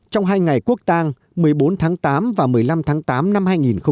trong hai ngày quốc tàng một mươi bốn tháng tám và một mươi năm tháng tám năm hai nghìn một mươi chín